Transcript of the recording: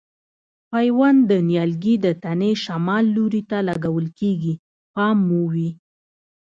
پیوند د نیالګي د تنې شمال لوري ته لګول کېږي پام مو وي.